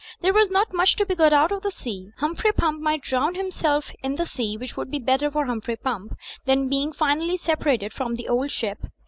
There was not much to be got out of the sea. Humphrey Pump might drown himself in the sea; which would be better for Humphrey Pump than being finally separated from "The Old Ship."